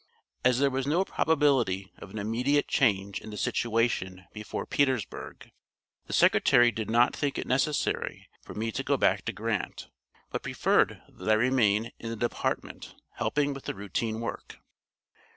As there was no probability of an immediate change in the situation before Petersburg, the Secretary did not think it necessary for me to go back to Grant, but preferred that I remain in the department, helping with the routine work.